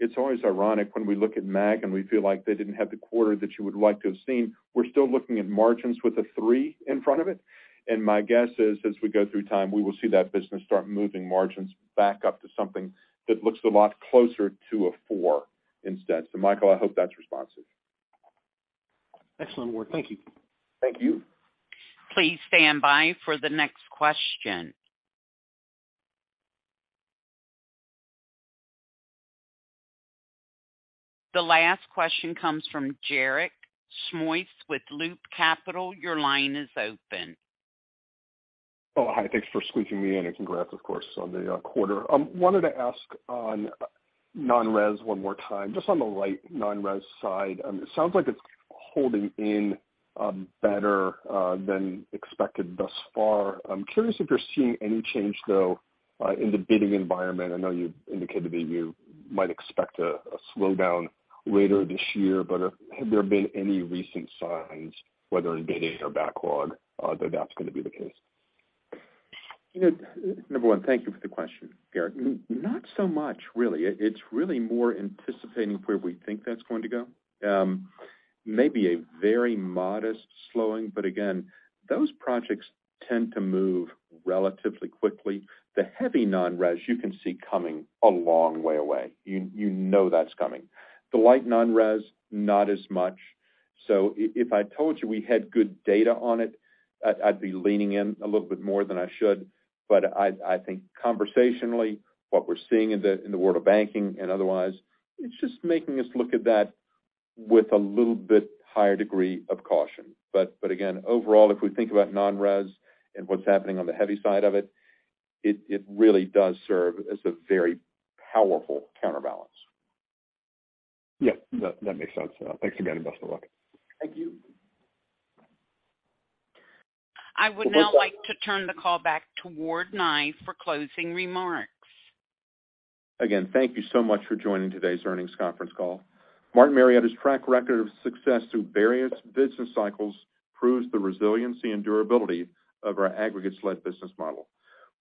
it's always ironic when we look at Mag and we feel like they didn't have the quarter that you would like to have seen. We're still looking at margins with a 3 in front of it. My guess is, as we go through time, we will see that business start moving margins back up to something that looks a lot closer to a 4 instead. Michael, I hope that's responsive. Excellent, Ward. Thank you. Thank you. Please stand by for the next question. The last question comes from Garik Shmois with Loop Capital. Your line is open. Hi. Thanks for squeezing me in. Congrats, of course, on the quarter. Wanted to ask on non-res one more time, just on the light non-res side. It sounds like it's holding in better than expected thus far. I'm curious if you're seeing any change, though, in the bidding environment. I know you indicated that you might expect a slowdown later this year, but have there been any recent signs, whether in bidding or backlog, that that's gonna be the case? You know, number one, thank you for the question, Garik Shmois. Not so much, really. It's really more anticipating where we think that's going to go. Maybe a very modest slowing, but again, those projects tend to move relatively quickly. The heavy non-res you can see coming a long way away. You, you know that's coming. The light non-res, not as much. So if I told you we had good data on it, I'd be leaning in a little bit more than I should. I think conversationally, what we're seeing in the, in the world of banking and otherwise, it's just making us look at that with a little bit higher degree of caution. Again, overall, if we think about non-res and what's happening on the heavy side of it really does serve as a very powerful counterbalance. Yeah, that makes sense. Thanks again, and best of luck. Thank you. I would now like to turn the call back to Ward Nye for closing remarks. Thank you so much for joining today's earnings conference call. Martin Marietta's track record of success through various business cycles proves the resiliency and durability of our aggregates-led business model.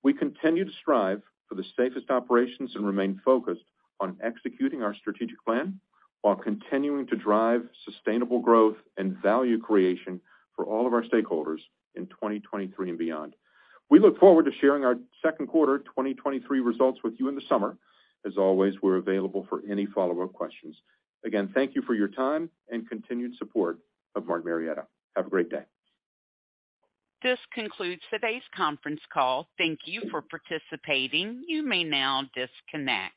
We continue to strive for the safest operations and remain focused on executing our strategic plan while continuing to drive sustainable growth and value creation for all of our stakeholders in 2023 and beyond. We look forward to sharing our second quarter 2023 results with you in the summer. As always, we're available for any follow-up questions. Thank you for your time and continued support of Martin Marietta. Have a great day. This concludes today's conference call. Thank you for participating. You may now disconnect.